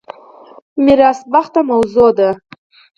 میراث بخت موضوع ده.